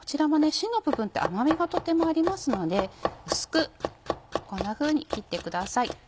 芯の部分って甘みがとてもありますので薄くこんなふうに切ってください。